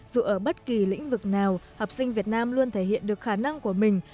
dù ở bất kỳ lĩnh vực nào học sinh việt nam luôn thể hiện được khả năng của mình